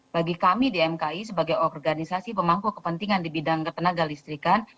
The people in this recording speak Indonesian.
bagi kami di mki sebagai organisasi pemangku kepentingan di bidang ketenaga listrikan